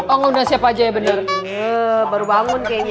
oh udah siap aja ya bener baru bangun kayaknya